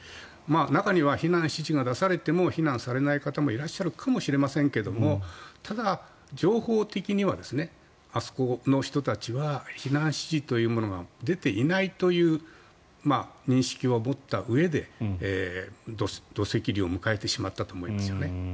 中には避難指示が出されても避難されない方もいらっしゃるかもしれませんけれどもただ、情報的にはあそこの人たちは避難指示というものが出ていないという認識を持ったうえで土石流を迎えてしまったと思いますよね。